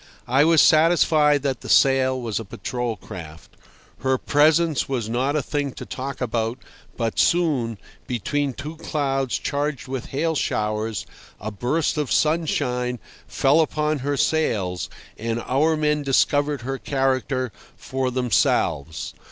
I was satisfied that the sail was a patrol craft. Her presence was not a thing to talk about, but soon, between two clouds charged with hail showers, a burst of sunshine fell upon her sails, and our men discovered her character for themselves.